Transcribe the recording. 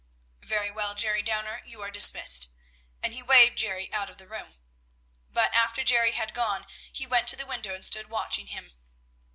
"Very well, Jerry Downer; you are dismissed," and he waved Jerry out of the room. But after Jerry had gone, he went to the window and stood watching him.